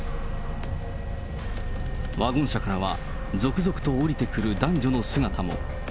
ワゴン車からは、続々と降りてくる男女の姿も。